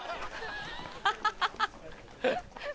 ハッハハハ！